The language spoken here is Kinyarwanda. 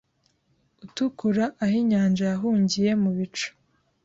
utukura aho inyanja yahungiye mu bicu